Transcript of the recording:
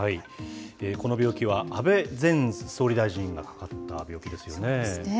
この病気は安倍前総理大臣がかかった病気ですよね。